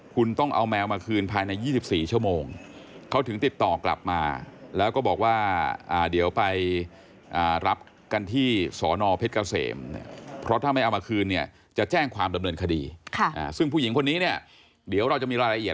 คุณต้องเอาแมวมาคืนภายใน๒๔ชั่วโมงเขาถึงติดต่อกลับมาแล้วก็บอกว่าเดี๋ยวไปรับกันที่สอนอเพศกระเสม